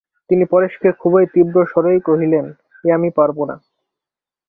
তিনি পরেশকে খুব তীব্র স্বরেই কহিলেন, এ আমি পারব না।